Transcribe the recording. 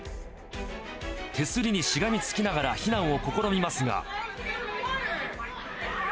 手すりにしがみつきながら、避難を試みますが。